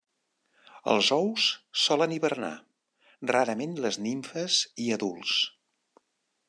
Els ous solen hibernar, rarament les nimfes i adults.